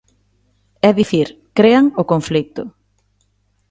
É dicir, crean o conflito.